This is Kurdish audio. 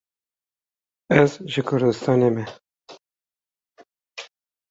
Ez ji Kurdistanê me